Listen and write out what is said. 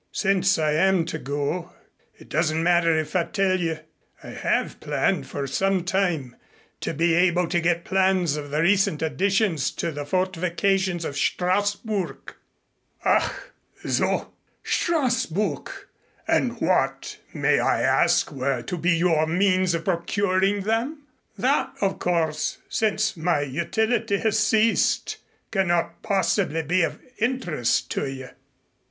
Since I am to go, it doesn't matter if I tell you. I have planned for some time to be able to get plans of the recent additions to the fortifications of Strassburg." "Ach, so. Strassburg! And what, may I ask, were to be your means of procuring them?" "That, of course, since my utility has ceased, cannot possibly be of interest to you."